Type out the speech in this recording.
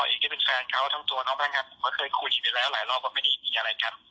เองก็เป็นแฟนเขาทั้งตัวน้องแบงค์ผมก็เคยคุยไปแล้วหลายรอบว่าไม่ได้มีอะไรครับ